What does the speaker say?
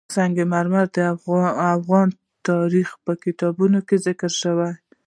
سنگ مرمر د افغان تاریخ په کتابونو کې ذکر شوی دي.